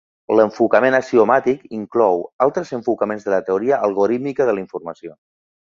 L'enfocament axiomàtic inclou altres enfocaments de la teoria algorítmica de la informació.